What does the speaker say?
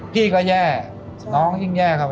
พี่ก็แย่น้องยิ่งแย่เข้าไป